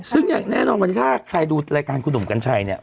ซึ่งอย่างแน่นอนวันนี้ถ้าใครดูรายการคุณหนุ่มกัญชัยเนี่ย